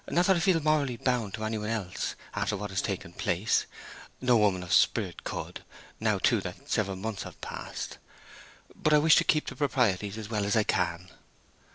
Not that I feel morally bound to any one else, after what has taken place—no woman of spirit could—now, too, that several months have passed. But I wish to keep the proprieties as well as I can."